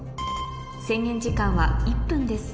制限時間は１分です